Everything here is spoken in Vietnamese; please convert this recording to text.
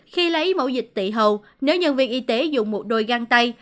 khi lấy mẫu dịch tị hầu nếu nhân viên y tế dùng một đôi găng tay